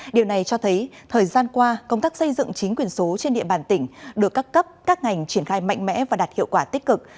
điều này cho thấy thời gian qua công tác xây dựng chính quyền số trên địa bàn tỉnh được các cấp các ngành triển khai mạnh mẽ và đạt hiệu quả tích cực